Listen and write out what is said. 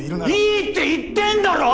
いいって言ってんだろ！